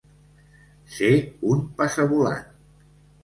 Ser un passavolant.